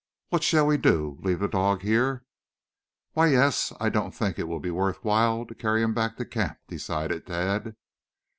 What shall we do, leave the dog here?" "Why, yes, I don't think it will be worth while to carry him back to camp," decided Tad.